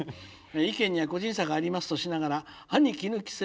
「意見には個人差がありますとしながら歯にきぬ着せぬ」。